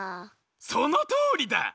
そのとおりだ。